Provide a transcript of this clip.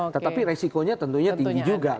tetapi resikonya tentunya tinggi juga